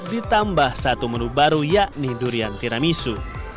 ditambah satu menu baru yakni durian tiramisu